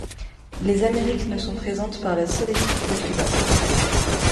Les Amériques ne sont présentes par la seule équipe de Cuba.